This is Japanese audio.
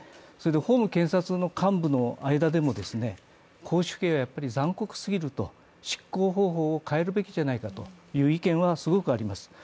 法務検察の幹部の間でも絞首刑はやっぱり残酷すぎる、執行方法を変えるべきじゃないかという意見はすごくあります。